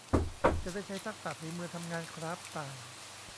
จะได้ใช้ทักษะฝีมือทำงานคราฟต์ต่าง